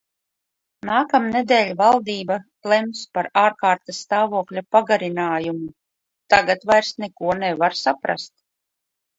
Nākamnedēļ valdība lems par ārkārtas stāvokļa pagarinājumu... tagad vairs neko nevar saprast.